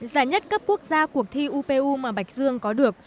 giải nhất cấp quốc gia cuộc thi upu mà bạch dương có được